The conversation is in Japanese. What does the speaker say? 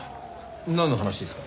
なんの話ですか？